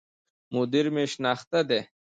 مدير مي شناخته دی